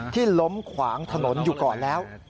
ที่ล้มขวางถนนอยู่ก่อนแล้ว